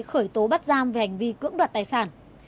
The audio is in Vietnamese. khởi tố bắt giam về hành vi cưỡng đoạt tài sản